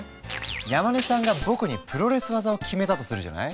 山根さんが僕にプロレス技を決めたとするじゃない？